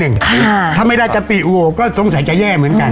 อ่าถ้าไม่ได้จะปีโวก็สงสัยจะแย่เหมือนกัน